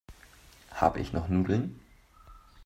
Habe ich noch Nudeln?